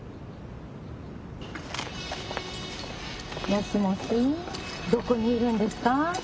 もしもしどこにいるんですか？